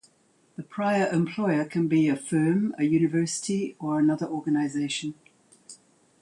The prior employer can be a firm, a university, or another organization.